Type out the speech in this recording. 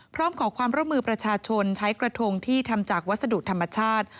พร้อมขอความร่วมมือประชาชนใช้กระทงที่ทำจากวัสดุธรรมชาติ